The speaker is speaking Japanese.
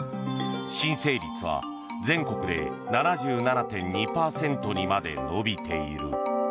申請率は全国で７７．２％にまで伸びている。